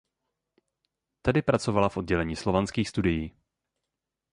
Tady pracovala v oddělení slovanských studií.